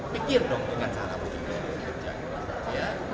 pikir dong dengan cara putri saya yang bekerja